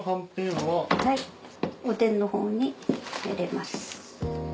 はいおでんのほうに入れます。